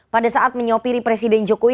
pada saat menyopiri presiden jokowi